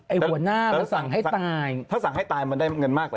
หัวหน้ามันสั่งให้ตายถ้าสั่งให้ตายมันได้เงินมากกว่า